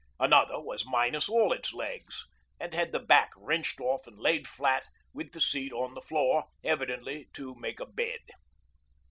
Another was minus all its legs, and had the back wrenched off and laid flat with the seat on the floor, evidently to make a bed.